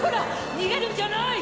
にげるんじゃない！